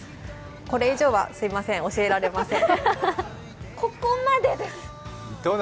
これ以上はすいません教えられません。